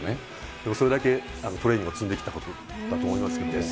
でもそれだけトレーニングを積んできたことだと思いますけれども。